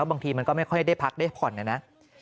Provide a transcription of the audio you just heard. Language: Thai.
บางทีมันก็ไม่ค่อยได้พักได้ผ่อนนะนะ